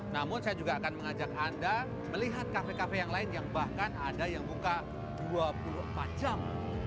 namun saya juga akan mengajak anda melihat kafe kafe yang lain yang bahkan ada yang buka dua puluh empat jam